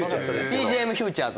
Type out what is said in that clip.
ＰＪＭフューチャーズ。